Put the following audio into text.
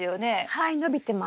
はい伸びてます。